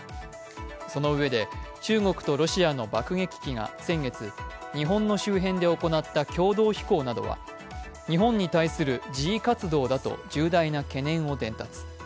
そのうえで中国とロシアの爆撃機が先月、日本の周辺で行った共同飛行などは、日本に対する示威活動だと重大な懸念を伝達。